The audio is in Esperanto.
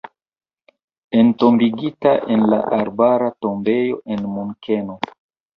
Entombigita en la Arbara Tombejo en Munkeno.